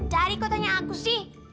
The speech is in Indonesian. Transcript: dari kok tanya aku sih